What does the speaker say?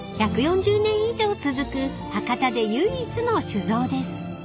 ［１４０年以上続く博多で唯一の酒造です］